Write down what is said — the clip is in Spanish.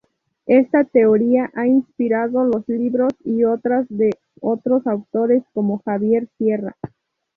Esta teoría ha inspirado los libros y otras de otros autores como Javier Sierra.